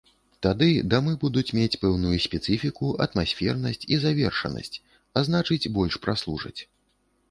Тады дамы будуць мець пэўную спецыфіку, атмасфернасць і завершанасць, а значыць больш праслужаць.